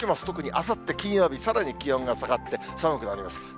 特にあさって金曜日、さらに気温が下がって寒くなります。